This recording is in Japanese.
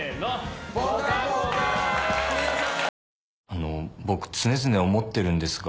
「あの僕常々思ってるんですが」